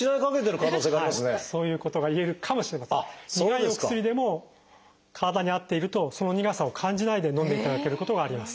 苦いお薬でも体に合っているとその苦さを感じないでのんでいただけることがあります。